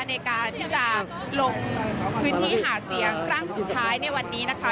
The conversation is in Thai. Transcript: ในการที่จะลงพื้นที่หาเสียงครั้งสุดท้ายในวันนี้นะคะ